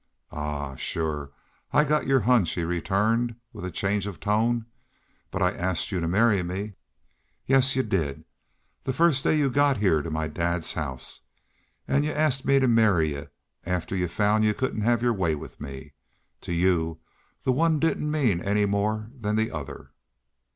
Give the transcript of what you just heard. "Ahuh! Shore I get your hunch," he returned, with a change of tone. "But I asked you to marry me?" "Yes y'u did. The first day y'u got heah to my dad's house. And y'u asked me to marry y'u after y'u found y'u couldn't have your way with me. To y'u the one didn't mean any more than the other."